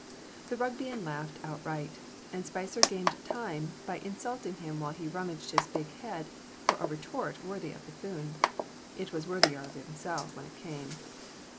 The Rugbeian laughed outright, and Spicer gained time by insulting him while he rummaged his big head for a retort worthy of Bethune; it was worthier of himself when it came.